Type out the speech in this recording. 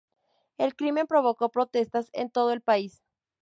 El crimen provocó protestas en todo el país.